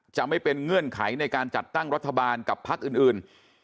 จะไม่เป็นเงื่อนไขในการจัดตั้งรัฐบาลกับพักอื่น